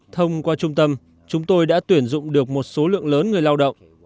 thông qua trung tâm chúng tôi đã tuyển dụng được một số lượng lớn người lao động